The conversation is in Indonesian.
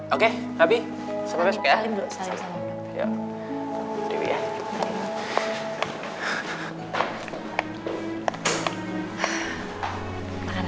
oke abi selamat besok ya